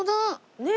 ねえ。